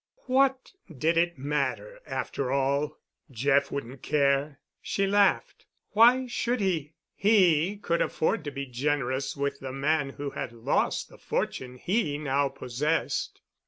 What did it matter after all? Jeff wouldn't care. She laughed. Why should he? He could afford to be generous with the man who had lost the fortune he now possessed.